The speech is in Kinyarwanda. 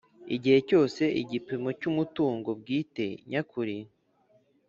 Igihe cyose igipimo cy umutungo bwite nyakuri